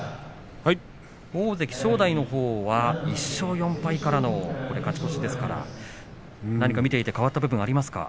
大関正代のほうは１勝４敗からの勝ち越しですから何か見ていて変わった部分はありますか。